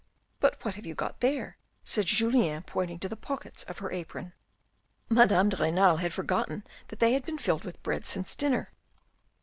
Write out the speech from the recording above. " But what have you got there ?" said Julien pointing to the pockets of her apron. Madame de Renal had forgotten that they had been filled with bread since dinner.